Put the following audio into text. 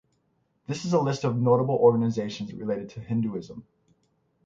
This is a list of notable organisations related to Hinduism.